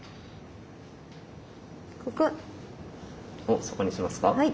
おっそこにしますか？